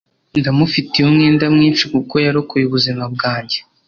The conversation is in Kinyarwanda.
Ndamufitiye umwenda mwinshi kuko yarokoye ubuzima bwanjye